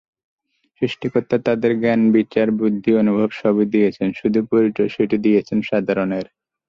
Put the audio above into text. সৃষ্টিকর্তা তাদের জ্ঞান, বিচার-বুদ্ধি, অনুভব—সবই দিয়েছেন, শুধু পরিচয় সেঁটে দিয়েছেন সাধারণের।